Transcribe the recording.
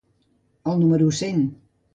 El número cent.